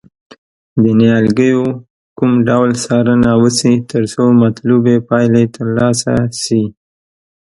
د نیالګیو کوم ډول څارنه وشي ترڅو مطلوبې پایلې ترلاسه شي.